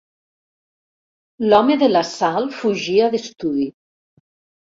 L'home de la sal fugia d'estudi.